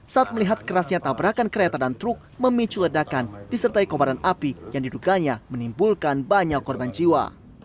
saat melihat kerasnya tabrakan kereta dan truk memicu ledakan disertai kobaran api yang diduganya menimbulkan banyak korban jiwa